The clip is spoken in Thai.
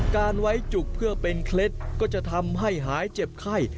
การไว้จุกเพื่อเป็นเคล็ดก็จะทำให้หายเจ็บไข้